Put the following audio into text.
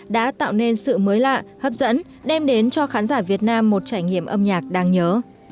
đã tạo nên sự mới lạ hấp dẫn đem đến cho khán giả việt nam một trải nghiệm âm nhạc đáng nhớ